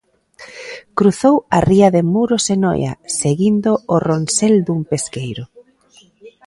Cruzou a ría de Muros e Noia seguindo o ronsel dun pesqueiro.